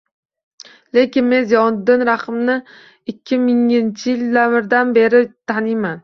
Lekin men Ziyovuddin Rahimni ikki minginchi yillardan beri taniyman.